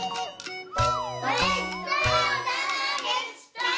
ごちそうさまでした！